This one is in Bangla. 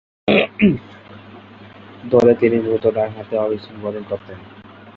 দলে তিনি মূলতঃ ডানহাতে অফ স্পিন বোলিং করতেন।